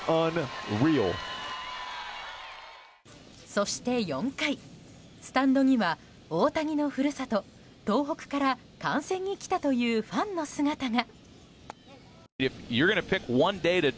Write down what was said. そして４回スタンドには大谷の故郷東北から観戦に来たというファンの姿が。